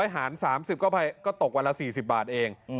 หาร๓๐ก็ตกวันละ๔๐บาทเอง